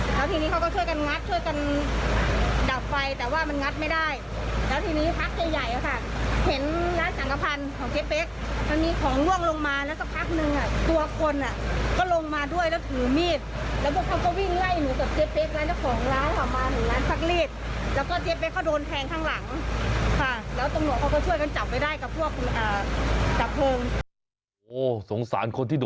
ตัวคนก็ลงมาด้วยแล้วถูมีด